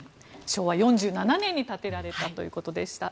昭和４７年に建てられたということでした。